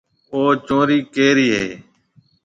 او چونڙَي ڪَيريَ هيَ؟